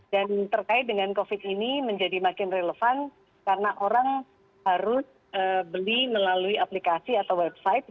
dan terkait dengan covid ini menjadi makin relevan karena orang harus beli melalui aplikasi atau website